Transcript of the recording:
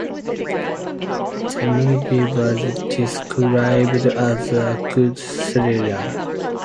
The movie was described as a good thriller.